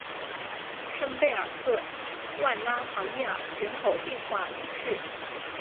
圣贝尔特万拉唐涅尔人口变化图示